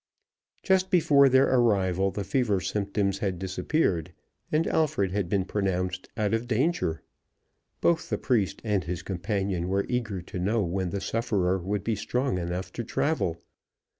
Just before their arrival the fever symptoms had disappeared, and Alfred had been pronounced out of danger. Both the priest and his companion were eager to know when the sufferer would be strong enough to travel.